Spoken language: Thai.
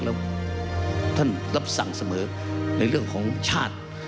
แล้วท่านรับสั่งเสมอในเรื่องของชาติ